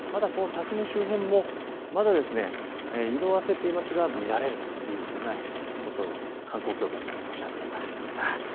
滝の周辺もまだ色あせていますが見られるというふうなこと、観光協会の方がおっしゃっていました。